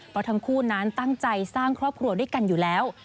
เพราะทั้งคู่นั้นตั้งใจสร้างครอบครัวด้วยกันอยู่แล้ว